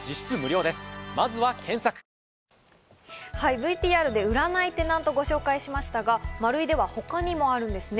ＶＴＲで売らないテナントご紹介しましたが、マルイでは他にもあるんですね。